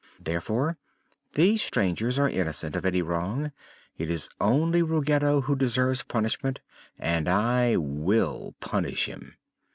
"Therefore these strangers are innocent of any wrong. It is only Ruggedo who deserves punishment, and I will punish him."